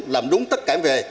làm đúng tất cả về